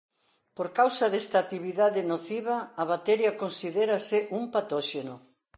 Por causa desta actividade nociva a bacteria considérase un patóxeno.